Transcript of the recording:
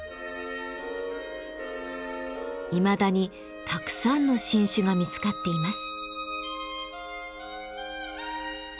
いまだにたくさんの新種が見つかっています。